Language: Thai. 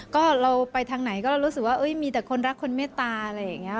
ก็เราไปทางไหนก็เรารู้สึกว่ามีแต่คนรักคนเมตตาอะไรอย่างนี้